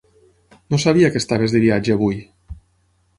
No sabia que estaves de viatge avui.